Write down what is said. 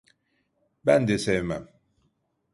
Ben de sevmem.